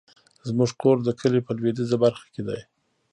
زمونږ کور د کلي په لويديځه برخه کې ده